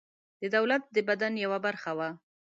د دولت د بدن یوه برخه وه.